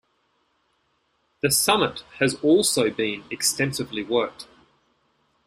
The summit has also been extensively worked.